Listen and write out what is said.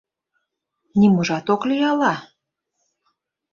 Ниможат ок лий ала?..